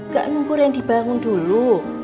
gak nunggu randy bangun dulu